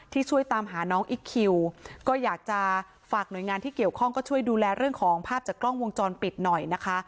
ช่วยตามหาน้องอิ๊กคิวก็อยากจะฝากหน่วยงานที่เกี่ยวข้องก็ช่วยดูแลเรื่องของภาพจากกล้องวงจรปิดหน่อยนะคะ